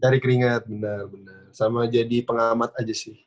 cari keringet bener bener sama jadi pengamat aja sih